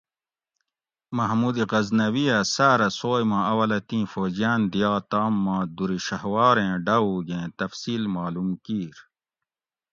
محمود غزنوی ھہ ساۤرہ سوئ ما اولہ تیں فوجیان دیا تام ما دُر شھواریں ڈاوُگیں تفصیل معلوم کِیر